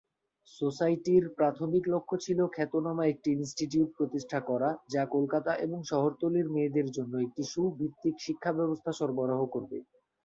সোসাইটির প্রাথমিক লক্ষ্য ছিল খ্যাতনামা একটি ইনস্টিটিউট প্রতিষ্ঠা করা, যা কলকাতা এবং শহরতলির মেয়েদের জন্য একটি সু-ভিত্তিক শিক্ষাব্যবস্থা সরবরাহ করবে।